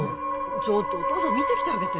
ちょっとお父さん見てきてあげて・